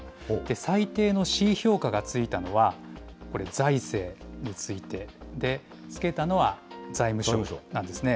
最低のＣ評価がついたのは、これ、財政についてで、つけたのは財務省なんですね。